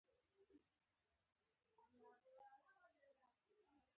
د انسان لپاره څه شی اړین دی؟